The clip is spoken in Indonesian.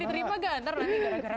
diterima gak nanti